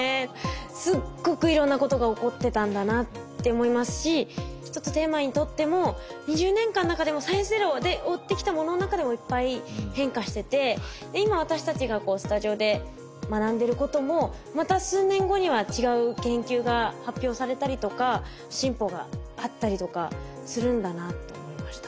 すっごくいろんなことが起こってたんだなって思いますし一つテーマに取っても２０年間の中でも「サイエンスＺＥＲＯ」で追ってきたものの中でもいっぱい変化してて今私たちがスタジオで学んでることもまた数年後には違う研究が発表されたりとか進歩があったりとかするんだなと思いました。